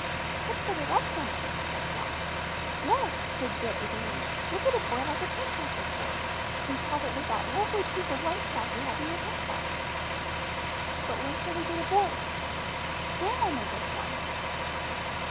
"Let's put it up somewhere," said Jack. "Yes," said Jill eagerly; "we will get a board like a trespassers' board, and chalk it with that lovely piece of white chalk you have in your paint box." "But where shall we get a board?" "Sam will make us one."